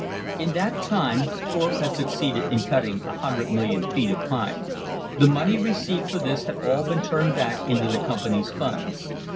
In that time Thorpe had succeeded in cutting a hundred million feet of pine. The money received for this had all been turned back into the Company's funds.